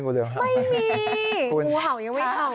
งูเหลือมห่าวยังไงคะไม่ใช่